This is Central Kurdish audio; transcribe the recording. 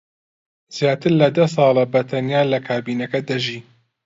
زیاتر لە دە ساڵە بەتەنیا لە کابینەکە دەژی.